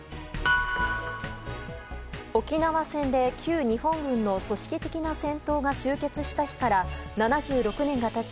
沖縄戦で旧日本軍の組織的な戦闘が終結した日から７６年が経ち